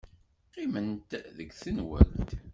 Qqiment deg tenwalt.